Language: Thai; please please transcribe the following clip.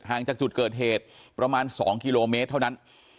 จากจุดเกิดเหตุประมาณ๒กิโลเมตรเท่านั้น